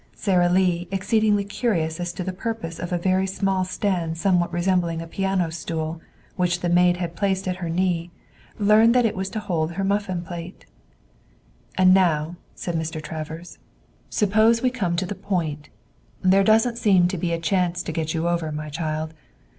Sara Lee, exceedingly curious as to the purpose of a very small stand somewhat resembling a piano stool, which the maid had placed at her knee, learned that it was to hold her muffin plate. "And now," said Mr. Travers, "suppose we come to the point. There doesn't seem to be a chance to get you over, my child.